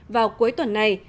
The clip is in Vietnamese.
vào cuối tuần này